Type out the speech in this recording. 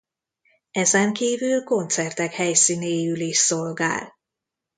Ezen kívül koncertek helyszínéül is szolgál.